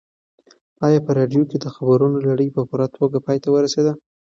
ایا په راډیو کې د خبرونو لړۍ په پوره توګه پای ته ورسېده؟